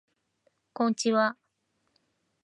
こんちはー